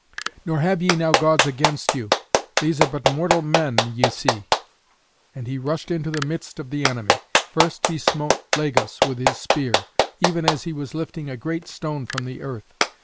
Nor have ye now gods against you. These are but mortal men that ye see." And he rushed into the midst of the enemy. First he smote Lagus with his spear, even as he was lifting a great stone from the earth.